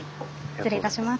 失礼いたします。